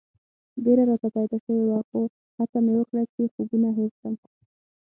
بېره راته پیدا شوې وه خو هڅه مې وکړه چې خوبونه هېر کړم.